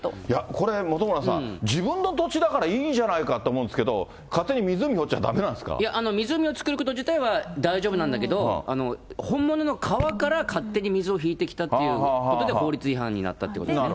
これ、本村さん、自分の土地だからいいじゃないかと思うんですけど、勝手に湖掘っいや、湖を作ること自体は大丈夫なんだけど、本物の川から勝手に水を引いてきたということで、法律違反になったってことですね。